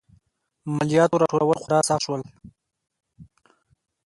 مالیاتو راټولول خورا سخت شول.